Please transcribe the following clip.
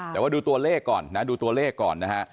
แต่ว่าดูตัวเลขก่อนนะดูตัวเลขก่อนนะฮะ